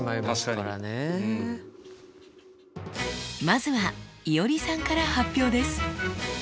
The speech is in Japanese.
まずはいおりさんから発表です。